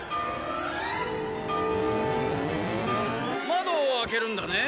窓を開けるんだね？